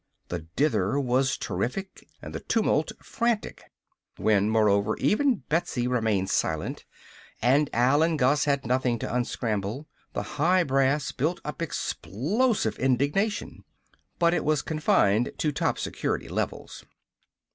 The dither was terrific and the tumult frantic. When, moreover, even Betsy remained silent, and Al and Gus had nothing to unscramble, the high brass built up explosive indignation. But it was confined to top security levels.